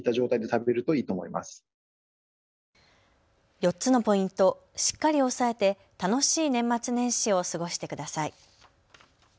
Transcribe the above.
４つのポイント、しっかり抑えて楽しい年末年始を過ごしてください。